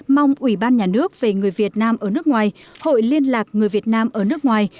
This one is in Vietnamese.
mong ủy ban nhà nước về người việt nam ở nước ngoài hội liên lạc người việt nam ở nước ngoài